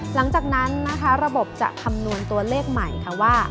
หลังจากนั้นนะคะระบบจะคำนวณตัวเลขใหม่ค่ะว่า